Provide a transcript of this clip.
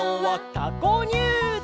「たこにゅうどう」